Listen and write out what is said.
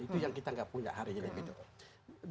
itu yang kita tidak punya hari ini